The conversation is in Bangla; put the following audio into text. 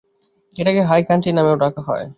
এটাকে হাই কান্ট্রি নামেও ডাকা হয়।